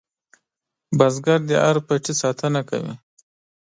بزګر د هر پټي ساتنه کوي